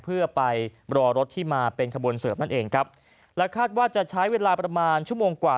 เพื่อไปรอรถที่มาเป็นขบวนเสิร์ฟนั่นเองครับและคาดว่าจะใช้เวลาประมาณชั่วโมงกว่า